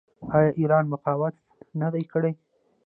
آیا ایران مقاومت نه دی کړی؟